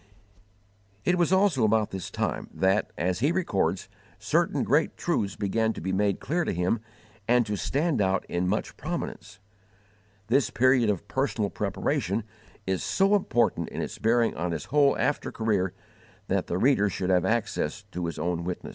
It was also about this time that, as he records, certain great truths began to be made clear to him and to stand out in much prominence. This period of personal preparation is so important in its bearing on his whole after career that the reader should have access to his own witness.